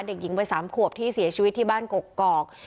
เด็กหญิงวัย๓ขวบที่เสียชีวิตที่บ้านกกอก